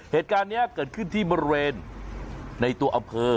เหตุการณ์นี้เกิดขึ้นที่บริเวณในตัวอำเภอ